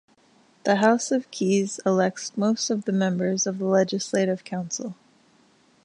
The House of Keys elects most of the members of the Legislative Council.